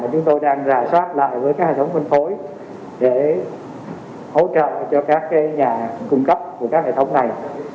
chúng tôi đang rà soát lại với các hệ thống phân phối để hỗ trợ cho các nhà cung cấp của các hệ thống này